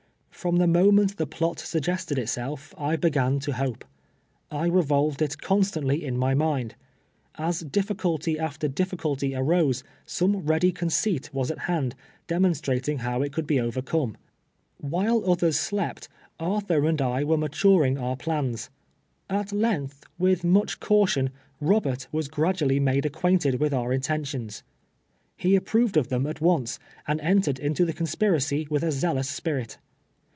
From the mo ment the ]dot suggested itself I began to hope. I revolved it constantly in my mind. As difficulty af ter difficulty arose, some ready conceit was at hand, demonstrating how it could be overcome. While 70 T"\VELTE YEAKS A SLA ST.. others sle]»t, Arthur and I were iiiatiirin<i our ])lans. At loiii^th, witli much caution, liobort was grachially maik' ac(|uaintcd with our intentions. lie ai>proved of thciu at once, and entered into the conspiracy with a zeak)us spirit.